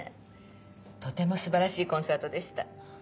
とても素晴らしいコンサートでした。